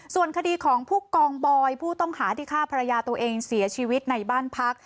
ส่วนคดีของผู้กองบอยผู้ต้องหาที่ฆ่าภรรยาตัวเองเสียชีวิตในบ้านพัก